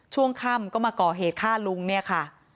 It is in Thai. ช่วงค่ำก็มาก่อเหตุฆ่าลุงเนี่ยค่ะ